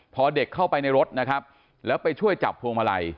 พอเด็กเข้าไปในรถนะครับแล้วไปช่วยจับพวงมาลัย